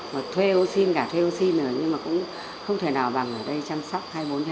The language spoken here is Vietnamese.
mà thuê ô xin cả thuê ô xin rồi nhưng mà cũng không thể nào bằng ở đây chăm sóc hai mươi bốn hai mươi bốn